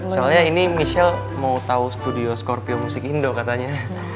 soalnya ini michelle mau tahu studio scorpio musik indo katanya